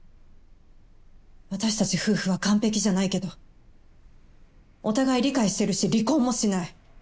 私たち夫婦は完璧じゃないけどお互い理解してるし離婚もしない。